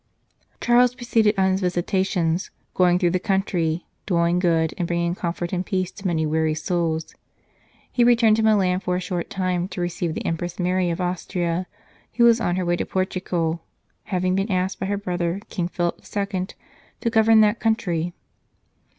Charles proceeded on his visitations, going through the country, doing good and bringing comfort and peace to many weary souls. He returned to Milan for a short time to receive the Empress Mary of Austria, who was on her way to Portugal, having been asked by her brother, King Philip II., to govern that country.